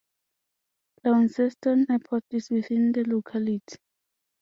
Launceston Airport is within the locality.